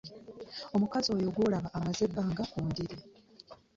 Omukazi oyo gw'olaba amaze ebbanga ku ndiri.